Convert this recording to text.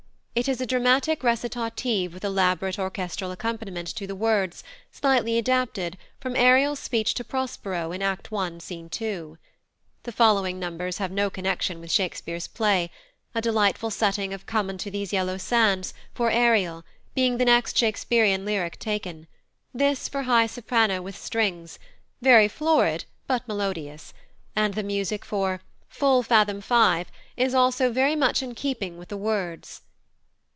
It is a dramatic recitative with elaborate orchestral accompaniment to the words, slightly adapted, from Ariel's speech to Prospero in Act i., Scene 2. The following numbers have no connection with Shakespeare's play, a delightful setting of "Come unto these yellow sands," for Ariel, being the next Shakespearian lyric taken this for high soprano with strings, very florid but melodious; and the music for "Full fathom five" is also very much in keeping with the words.